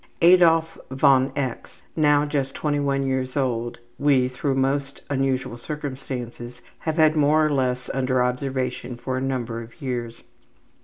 Adolf von X., now just 21 years old, we, through most unusual circumstances, have had more or less under observation for a number of years.